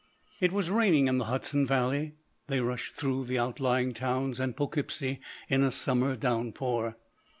It was raining in the Hudson valley; they rushed through the outlying towns and Po'keepsie in a summer downpour.